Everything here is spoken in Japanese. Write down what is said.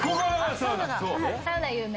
サウナ有名。